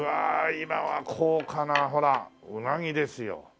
今は高価なほらうなぎですよ。